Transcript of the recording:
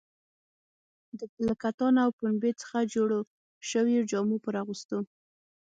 له کتان او پنبې څخه جوړو شویو جامو پر اغوستو.